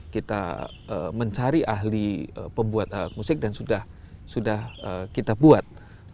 kita mencari ahli pembuat alat musik dan sudah kita buat